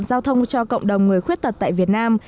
giao thông cho cộng đồng người khuyết tật tại việt nam